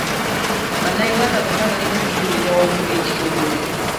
Bannayuganda bonna balina okuyimirira wamu ng'ekitole.